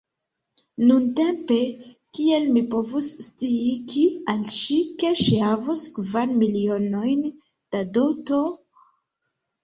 Nuntempe, kiel mi povus sciigi al ŝi, ke ŝi havos kvar milionojn da doto?